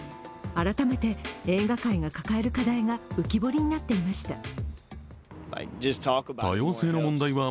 改めて映画界が抱える課題が浮き彫りになっていました。